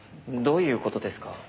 どういう事ですか？